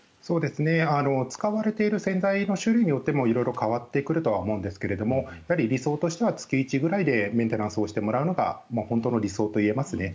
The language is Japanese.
使われている洗剤の種類によっても色々変わってくるとは思うんですけども理想としては月１ぐらいでメンテナンスをしてもらうのが本当の理想と言えますね。